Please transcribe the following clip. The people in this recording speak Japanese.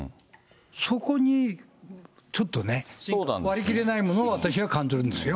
そこにちょっとね、割り切れないものを私は感じるんですよ。